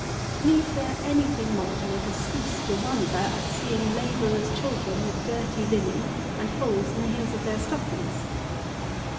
Needs there any thing more to make us cease to wonder at seeing labourers' children with dirty linen and holes in the heels of their stockings?